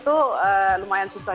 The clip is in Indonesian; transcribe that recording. itu lumayan susah